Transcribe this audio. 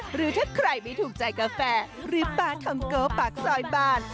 หรือถ้าใครไม่ถูกใจกาแฟหรือปลาทองโกปากซอยบ้าน